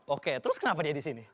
oke terus kenapa dia di sini